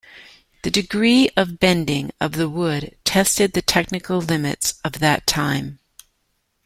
The degree of bending of the wood tested the technical limits of that time.